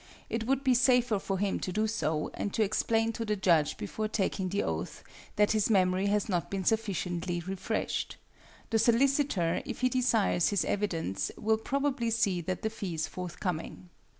It would be safer for him to do so, and to explain to the judge before taking the oath that his memory has not been sufficiently 'refreshed.' The solicitor, if he desires his evidence, will probably see that the fee is forthcoming.